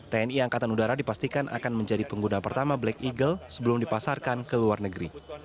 tni angkatan udara dipastikan akan menjadi pengguna pertama black eagle sebelum dipasarkan ke luar negeri